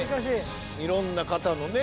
いろんな方のね